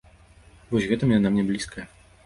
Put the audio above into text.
Вось гэтым яна мне блізкая.